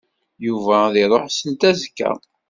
Yuba ad iṛuḥ seld azekka.